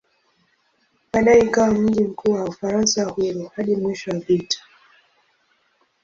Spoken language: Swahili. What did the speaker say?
Baadaye ikawa mji mkuu wa "Ufaransa Huru" hadi mwisho wa vita.